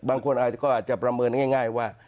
บางคนอาจจะประเมินง่ายว่า